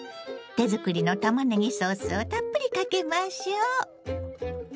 手作りのたまねぎソースをたっぷりかけましょ。